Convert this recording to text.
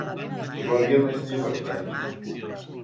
Volia més llibertat.